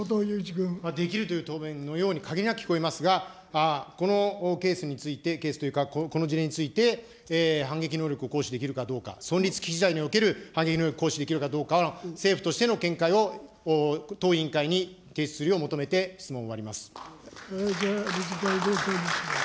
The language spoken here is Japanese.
できるという答弁のようにかぎりなく聞こえますが、このケースについて、ケースというか、この事例について、反撃能力を行使できるかどうか、存立危機事態における反撃能力、行使できるかどうか、政府としての見解を当委員会に提出するよう求めて、質問を終わります。